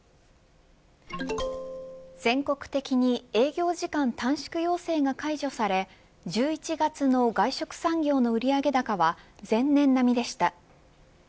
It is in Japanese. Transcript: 全国的に営業時間短縮要請が解除され１１月の外食産業の売上高は前年並みでした。